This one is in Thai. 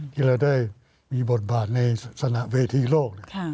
จะได้มีบทบาทในสนักเวทีโลก